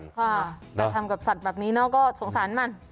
ค่ะแต่ทำกับสัตว์แบบนี้เนอะก็สงสารมัน